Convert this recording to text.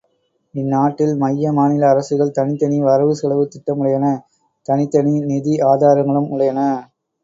இந்நாட்டில் மைய மாநில அரசுகள் தனித்தனி வரவு செலவுத் திட்டமுடையன தனித்தனி நிதி ஆதாரங்களும் உடையன.